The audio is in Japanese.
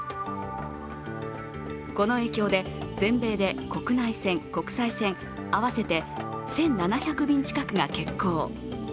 この影響で、全米で国内線、国際線合わせて１７００便近くが欠航。